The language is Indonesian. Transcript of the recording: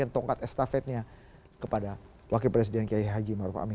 tongkat estafetnya kepada wakil presiden kiai haji maruf amin